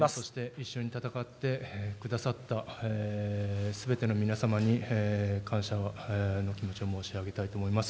一緒に戦ってくださったすべての皆様に感謝の気持ちを申し上げたいと思います。